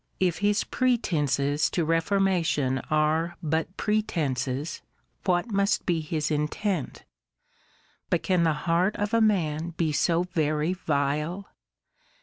If his pretences to reformation are but pretences, what must be his intent? But can the heart of man be so very vile?